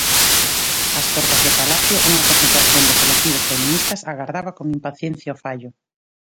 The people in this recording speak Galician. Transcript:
Ás portas do Palacio, unha concentración de colectivos feministas agardaba con impaciencia o fallo.